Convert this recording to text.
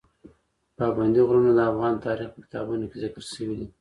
پابندي غرونه د افغان تاریخ په کتابونو کې ذکر شوي دي.